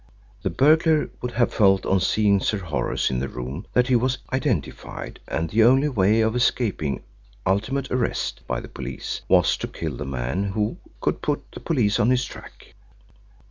The burglar would have felt on seeing Sir Horace in the room that he was identified, and that the only way of escaping ultimate arrest by the police was to kill the man who could put the police on his track.